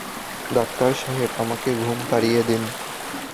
Doctor সাহেব, আমাকে ঘুম পাড়িয়ে দিন।